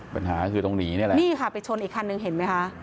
ปัญหาคือตรงนี้นี่แหละนี่ค่ะไปชนอีกคันนึงเห็นไหมคะ